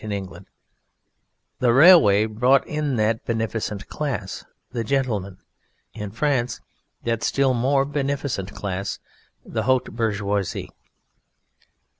In England the railway brought in that beneficent class, the gentlemen; in France, that still more beneficent class, the Haute Bourgeoisie.